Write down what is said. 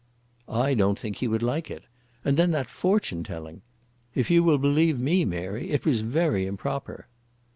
"I don't think he would like it. And then that fortune telling! If you will believe me, Mary, it was very improper."